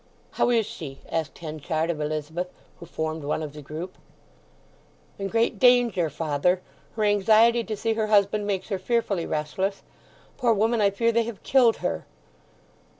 "How is she?" asked Henchard of Elizabeth, who formed one of the group. "In great danger, father. Her anxiety to see her husband makes her fearfully restless. Poor woman—I fear they have killed her!"